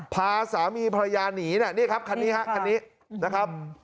พาสามีพระยาหนีนี่ครับคันนี้นะครับ